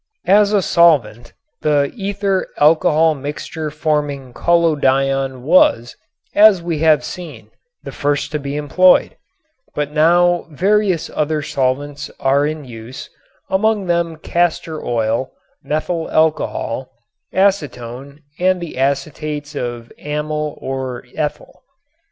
As a solvent the ether alcohol mixture forming collodion was, as we have seen, the first to be employed, but now various other solvents are in use, among them castor oil, methyl alcohol, acetone, and the acetates of amyl or ethyl.